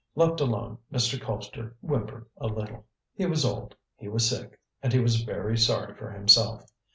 Left alone, Mr. Colpster whimpered a little. He was old, he was sick, and he was very sorry for himself.